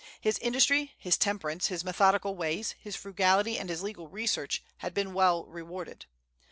His industry, his temperance, his methodical ways, his frugality, and his legal research, had been well rewarded.